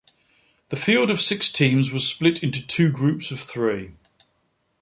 The field of six teams was split into two groups of three.